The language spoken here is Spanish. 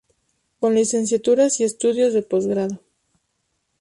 Con Licenciaturas y estudios de posgrado.